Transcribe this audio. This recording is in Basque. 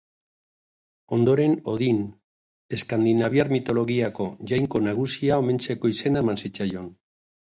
Ondoren Odin, eskandinaviar mitologiako jainko nagusia omentzeko izena eman zitzaion.